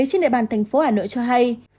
trên địa bàn thành phố hà nội cho hay